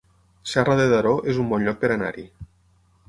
Serra de Daró es un bon lloc per anar-hi